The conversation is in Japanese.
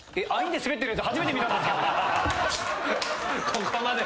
ここまで。